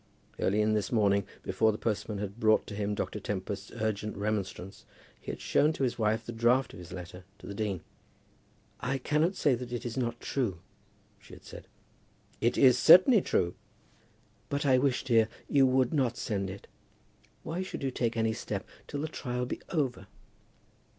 Early in this morning, before the postman had brought to him Dr. Tempest's urgent remonstrance, he had shown to his wife the draught of his letter to the dean. "I cannot say that it is not true," she had said. "It is certainly true." "But I wish, dear, you would not send it. Why should you take any step till the trial be over?"